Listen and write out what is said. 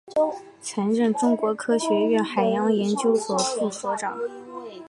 曾任中国科学院海洋研究所副所长。